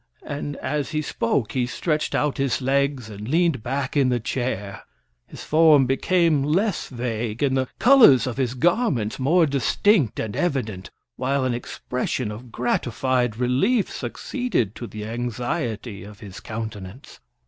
And as he spoke he stretched out his legs, and leaned back in the chair. His form became less vague, and the colors of his garments more distinct and evident, while an expression of gratified relief succeeded to the anxiety of his countenance.